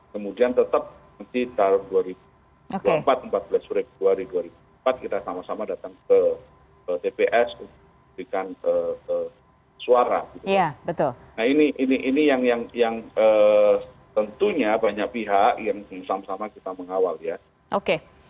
kemudian tetap nanti tahun dua ribu empat belas empat belas sore dua ribu dua puluh empat